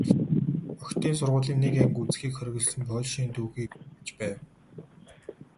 Охидын сургуулийн нэг анги үзэхийг хориглосон польшийн түүхийг судалж байв.